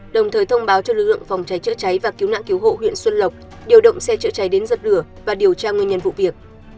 đồng thời thông báo cho lực lượng phòng cháy chữa cháy và cứu nạn cứu hộ huyện xuân lộc điều động xe chữa cháy đến giật lửa và điều tra nguyên nhân vụ việc